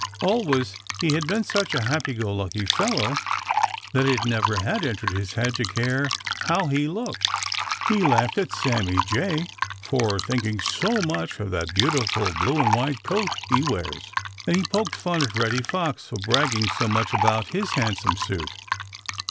Always he had been such a happy go lucky fellow that it never had entered his head to care how he looked. He laughed at Sammy Jay for thinking so much of that beautiful blue and white coat he wears, and he poked fun at Reddy Fox for bragging so much about his handsome suit.